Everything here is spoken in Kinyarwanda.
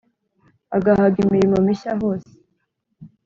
agahaga imirimo mishya hose